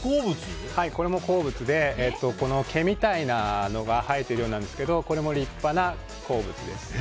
これも鉱物で毛みたいなのが生えているようなんですがこれも立派な鉱物です。